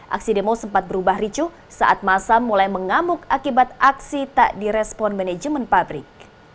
aksi demo sempat berubah ricu saat masa mulai mengamuk akibat aksi tak direspon manajemen pabrik